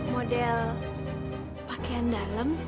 model pakaian dalam